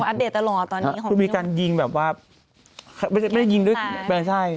อัพเดทตลอดตัวนี้ครูมีการยิงแบบว่าไม่ได้ยิงด้วยแม่ไส้